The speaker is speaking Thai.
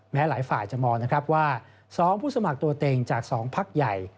แม้หลายฝ่ายจะมองนะครับว่า๒ผู้สมัครตัวเต็งจาก๒พักใหญ่